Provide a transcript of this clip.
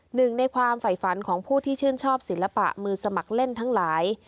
หนึ่งในความฝ่ายฝันของผู้ที่ชื่นชอบศิลปะมือสมัครเล่นทั้งหลาย